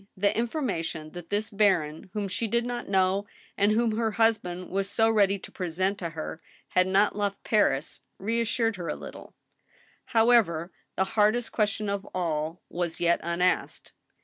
The information that this baron, whom she did not know and whom her husband was so ready to present to her, had not left Paris reassured her a little. l64 THE STEEL HAMMER, However, the hardest question of all was yet unasked.